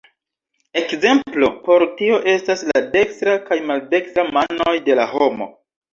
Ekzemplo por tio estas la dekstra kaj maldekstra manoj de la homo.